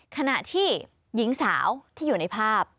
ขณะที่หญิงสาวที่อยู่ในภาพ